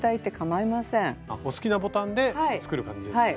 お好きなボタンで作る感じですね。